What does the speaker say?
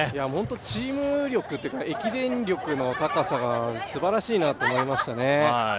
チーム力というか駅伝力の高さがすばらしいなと思いましたね。